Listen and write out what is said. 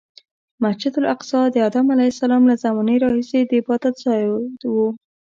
مسجد الاقصی د ادم علیه السلام له زمانې راهیسې د عبادتځای و.